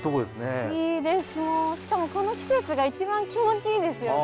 もうしかもこの季節が一番気持ちいいですよね。